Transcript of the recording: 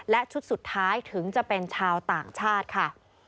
และชุดสุดท้ายถึงจะเป็นชาวต่างชาติค่ะ